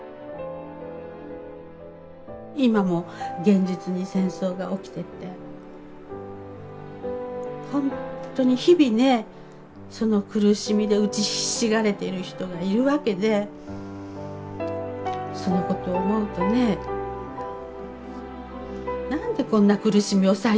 今も現実に戦争が起きててほんとに日々ねその苦しみでうちひしがれている人がいるわけでそのことを思うとね何でこんな苦しみを再生産してるんだろうってね。